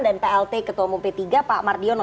plt ketua umum p tiga pak mardiono